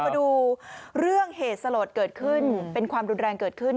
มาดูเรื่องเหตุสลดเกิดขึ้นเป็นความรุนแรงเกิดขึ้น